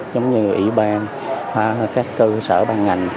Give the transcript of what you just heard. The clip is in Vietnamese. giống như ủy ban các cơ sở ban ngành